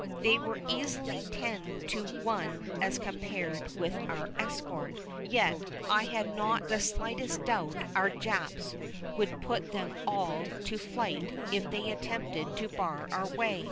They were easily ten to one as compared with our escort, yet I had not the slightest doubt our Japs would put them all to flight if they attempted to bar our way.